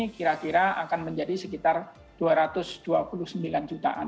kira kira akan menjadi sekitar dua ratus dua puluh sembilan jutaan